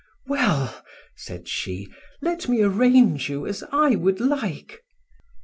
"Well," said she, "let me arrange you as I would like."